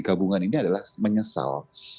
gabungan ini adalah menyesal